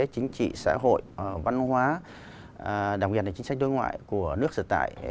chính trị xã hội văn hóa đặc biệt là chính sách đối ngoại của nước sở tại